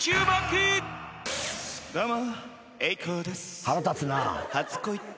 どうも。